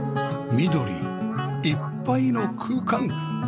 緑いっぱいの空間